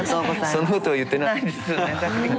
そんなこと言ってないです。